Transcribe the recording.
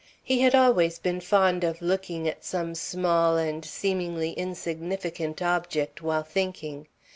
He had always been fond of looking at some small and seemingly insignificant object while thinking.